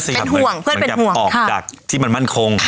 เป็นห่วงเพื่อนเป็นห่วงมันกลับออกจากที่มันมั่นคง